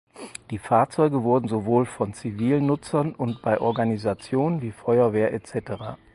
Die Fahrzeuge wurden sowohl von zivilen Nutzern und bei Organisationen wie Feuerwehr etc.